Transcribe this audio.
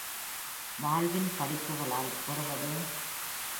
வாழ்வின் படிப்புகளால் பெறுவது.